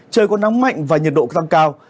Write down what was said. trời còn nắng mạnh và nhiệt độ tăng cao